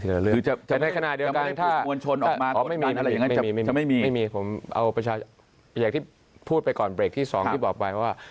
แต่ในขณะเดียวกันถ้าไม่มีอยากที่พูดไปก่อนเบรกที่สองที่บอกไปว่า